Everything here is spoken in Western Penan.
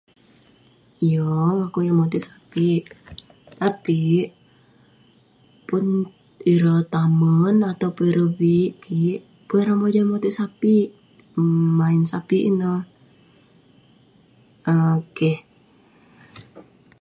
Yeng. Akouk yeng motit sapik. tapik, pun ireh tamen ataupun ireh viik kik, pun ireh mojam motit sapik um main sapik ineh um Keh.